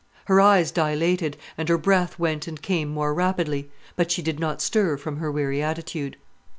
Her eyes dilated, and her breath went and came more rapidly; but she did not stir from her weary attitude.